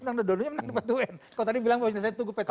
kalau tadi bilang bahwa penyelesaian tunggu pt un